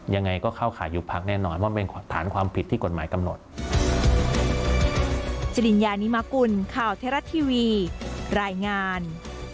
ยังไงก็เข้าข่ายยุบพักแน่นอนว่าเป็นฐานความผิดที่กฎหมายกำหนด